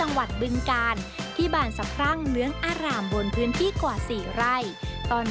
จังหวัดบึงกาลที่บานสะพรรั่งเหนืองอร่ามบนพื้นที่กว่าสี่ไรคม